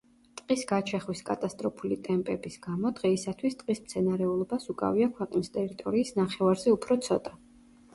ტყის გაჩეხვის კატასტროფული ტემპების გამო, დღეისათვის ტყის მცენარეულობას უკავია ქვეყნის ტერიტორიის ნახევარზე უფრო ცოტა.